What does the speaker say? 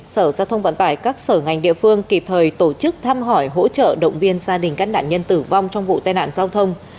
sở giao thông vận tải các sở ngành địa phương kịp thời tổ chức thăm hỏi hỗ trợ động viên gia đình các nạn nhân tử vong trong vụ tai nạn giao thông